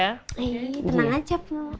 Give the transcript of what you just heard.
ayo tenang aja bu